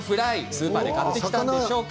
スーパーで買ってきたんでしょうか？